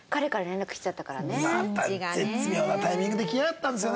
また絶妙なタイミングできやがったんですよね。